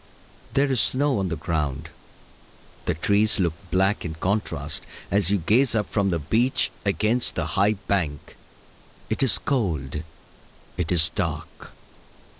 There is snow on the ground. The trees look black in contrast as you gaze up from the beach against the high bank. It is cold. It is dark.